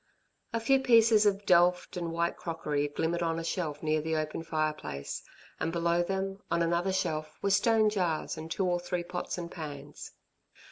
A few pieces of delft and white crockery glimmered on a shelf near the open fireplace, and below them, on another shelf, were stone jars and two or three pots and pans.